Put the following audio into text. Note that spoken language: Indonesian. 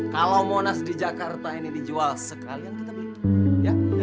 kalau monas di jakarta ini dijual sekalian kita beli